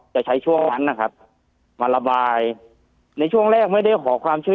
จะใช้ช่วงนั้นนะครับมาระบายในช่วงแรกไม่ได้ขอความเชื่อ